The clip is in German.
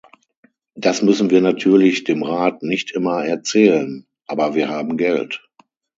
Das müssen wir natürlich dem Rat nicht immer erzählen, aber wir haben Geld.